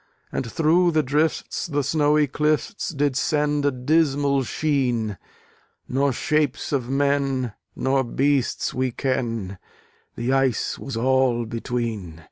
And through the drifts the snowy clifts Did send a dismal sheen: Nor shapes of men nor beasts we ken The ice was all between.